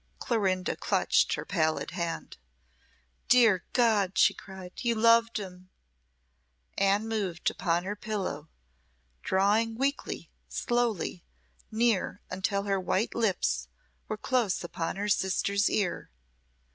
Clorinda clutched her pallid hand. "Dear God," she cried, "you loved him!" Anne moved upon her pillow, drawing weakly, slowly near until her white lips were close upon her sister's ear.